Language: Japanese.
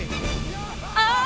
ああ！